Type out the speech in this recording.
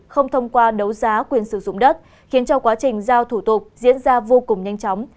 không thông qua đấu giá quyền sử dụng đất khiến cho quá trình giao thủ tục diễn ra vô cùng nhanh chóng